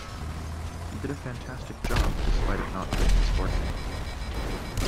He did a fantastic job despite it not being his Forte.